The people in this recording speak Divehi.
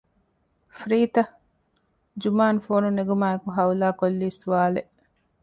ފްރީތަ؟ ޖުމާން ފޯނު ނެގުމާއެކު ހައުލާ ކޮށްލީ ސްވާލެއް